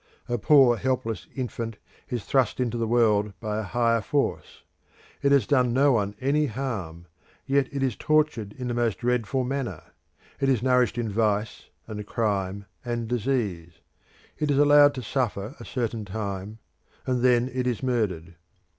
A poor helpless infant is thrust into the world by a higher force; it has done no one any harm, yet it is tortured in the most dreadful manner; it is nourished in vice, and crime, and disease; it is allowed to suffer a certain time and then it is murdered.